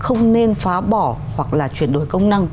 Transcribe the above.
không nên phá bỏ hoặc là chuyển đổi công năng